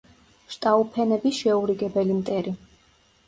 შტაუფენების შეურიგებელი მტერი.